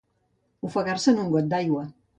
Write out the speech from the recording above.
Ofegar-se en un got d'aigua.